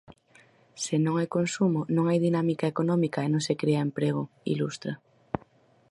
"Se non hai consumo, non hai dinámica económica e non se crea emprego", ilustra.